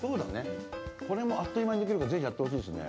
これもあっという間にできるからぜひやってほしいですね。